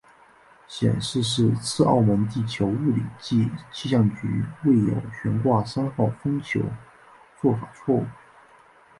显示是次澳门地球物理暨气象局未有悬挂三号风球做法错误。